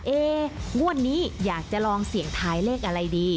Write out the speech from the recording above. เอ๊งวดนี้อยากจะลองเสี่ยงทายเลขอะไรดี